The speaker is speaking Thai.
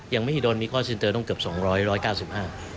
ยังไม่ได้โดนมีคอร์สอินเตอร์ต้องเกือบ๒๐๐๑๙๕